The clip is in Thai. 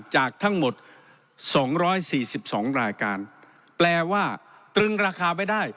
จากทั้งหมดสองร้อยสี่สิบสองรายการแปลว่าตรึงราคาไปได้